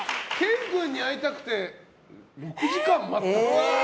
君に会いたくて６時間待った。